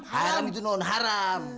haram itu non haram